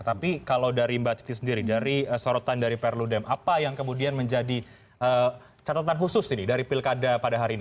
tapi kalau dari mbak titi sendiri dari sorotan dari perludem apa yang kemudian menjadi catatan khusus ini dari pilkada pada hari ini